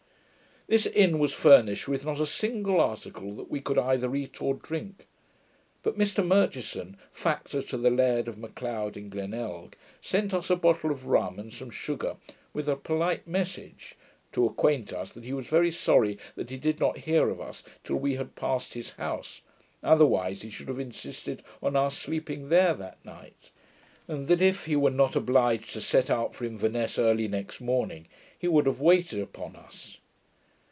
] This inn was furnished with not a single article that we could either eat or drink; but Mr Murchison, factor to the Laird of Macleod in Glenelg, sent us a bottle of rum and some sugar, with a polite message, to acquaint us, that he was very sorry that he did not hear of us till we had passed his house, otherwise he should have insisted on our sleeping there that night; and that, if he were not obliged to set out for Inverness early next morning, he would have waited upon us.